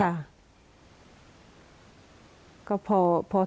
คือพอสบายใจนิดหนึ่ง